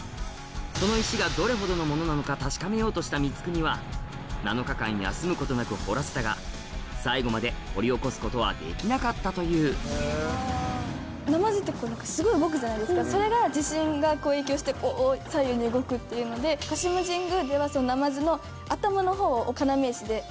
その石がどれほどのものなのか確かめようとした光圀は７日間休むことなく掘らせたが最後まで掘り起こすことはできなかったというそれが地震が影響して左右に動くっていうので鹿島神宮では要石で。